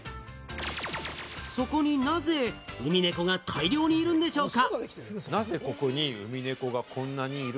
そこになぜ、ウミネコが大量にいるんでしょうか？